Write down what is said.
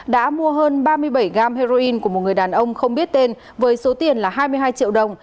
đã mua hơn ba mươi bảy gram heroin của một người đàn ông không biết tên với số tiền là hai mươi hai triệu đồng